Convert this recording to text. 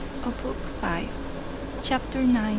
BOOK VI. Chapter i.